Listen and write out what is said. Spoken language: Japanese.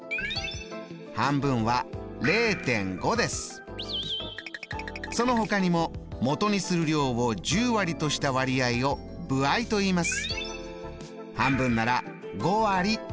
半分はそのほかにももとにする量を１０割とした割合を歩合といいます。